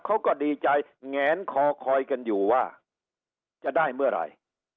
เขาก็ดีใจแงนคอคอยกันอยู่ว่าจะได้เมื่อไหร่